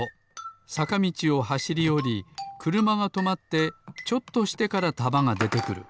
さかみちをはしりおりくるまがとまってちょっとしてからたまがでてくる。